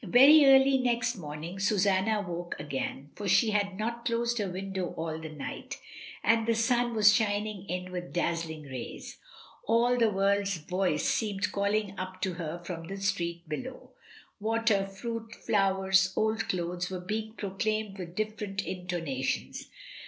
Very early next morning Susanna woke again, for she had not closed her window all the night, and the sun was shining in with dazzling rays. All the world's voice seemed calling up to her from the street below; water, fruit, flowers, old clothes, were being proclaimed with different intonations.